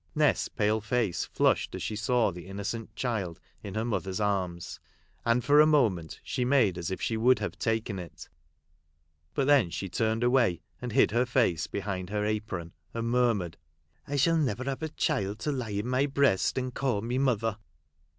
Nest's pale face flushed as she saw the innocent child in her mother's arms ; and, for a moment, she made as if she would have taken it ; but then, she turned away, and hid her face behind her apron, and murmured, " I shall never have a child to lie in my breast, and call me mother